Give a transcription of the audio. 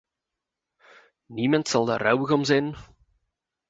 Niemand zal daar rouwig om zijn.?